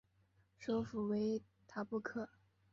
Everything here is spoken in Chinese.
首府为塔布克。